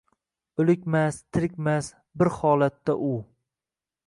O’likmas, tirkmas, bir holatda ul